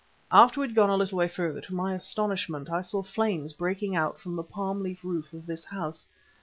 After we had gone a little way further, to my astonishment I saw flames breaking out from the palm leaf roof of this house.